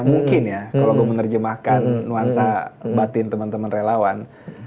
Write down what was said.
mungkin ya kalo gue menerjemahkan nuansa batin temen temen relawan